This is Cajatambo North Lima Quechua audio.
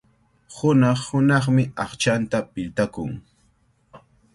Hunaq-hunaqmi aqchanta piltakun.